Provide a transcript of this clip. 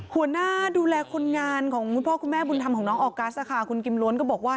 หัวหน้าดูแลคนงานของคุณพ่อคุณแม่บุญธรรมของน้องออกัสคุณกิมล้วนก็บอกว่า